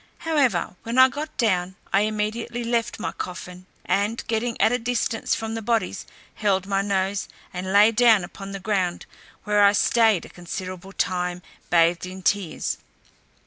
However, when I got down, I immediately left my coffin, and getting at a distance from the bodies, held my nose, and lay down upon the ground, where I stayed a considerable time, bathed in tears.